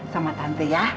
sama tante ya